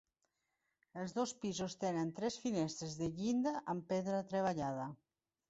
Els dos pisos tenen tres finestres de llinda amb pedra treballada.